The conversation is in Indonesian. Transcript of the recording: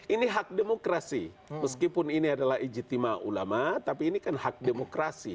ini hak demokrasi meskipun ini adalah ijtima ulama tapi ini kan hak demokrasi